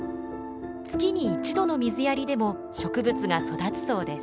月に１度の水やりでも植物が育つそうです。